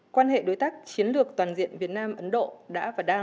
quan hệ đối tác chiến lược toàn diện việt nam ấn độ đã và đang phát triển